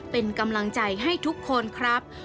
เป็นกำลังใจให้ทุกคนครับ